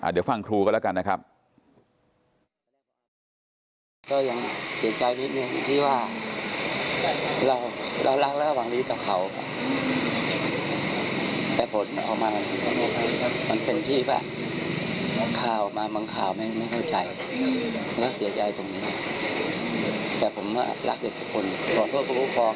เดี๋ยวฟังครูกันแล้วกันนะครับ